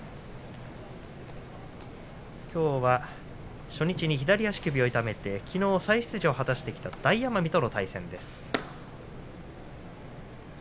きょうは初日に左足首を痛めてきのう再出場を果たした大奄美との対戦です。